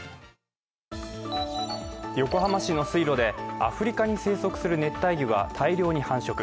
横浜市の水路でアフリカに生息する熱帯魚が大量に繁殖。